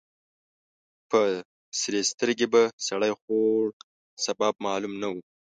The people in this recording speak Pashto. په سرې سترګې به سړی خوړ. سبب معلوم نه و.